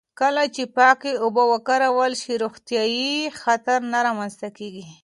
کله چې پاکې اوبه وکارول شي، روغتیايي خطر نه رامنځته کېږي.